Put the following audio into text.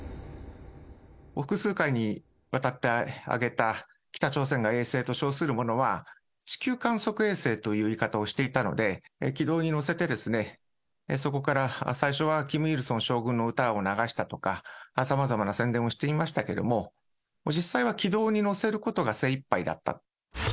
複数回にわたって上げた北朝鮮が衛星と称するものは、地球観測衛星という言い方をしていたので、軌道に乗せて、そこから最初はキム・イルソン将軍の歌を流したとか、さまざまな宣伝をしていましたけれども、実際は軌道に乗せることが精いっぱいだったと。